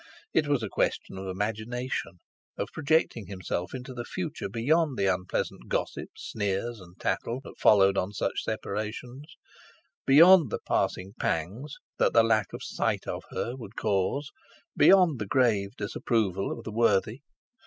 It was a question of imagination, of projecting himself into the future beyond the unpleasant gossip, sneers, and tattle that followed on such separations, beyond the passing pangs that the lack of the sight of her would cause, beyond the grave disapproval of the worthy.